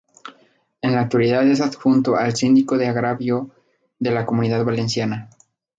En la actualidad es adjunto al Síndico de Agravios de la Comunidad Valenciana.